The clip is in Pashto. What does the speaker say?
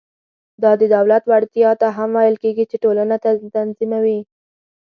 دا د دولت وړتیا ته هم ویل کېږي چې ټولنه تنظیموي.